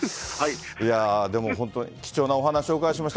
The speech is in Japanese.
いやー、でも本当、貴重なお話をお伺いしました。